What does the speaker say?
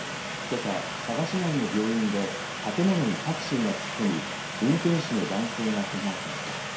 けさ、佐賀市内の病院で建物にタクシーが突っ込み運転手の男性がけがをしました。